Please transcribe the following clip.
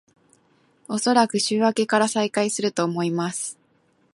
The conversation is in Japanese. おそらく週明けから再開すると思います